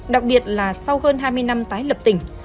đặc biệt là sau hơn hai mươi năm tái lập tỉnh